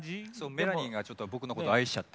メラニンがちょっと僕のこと愛しちゃって。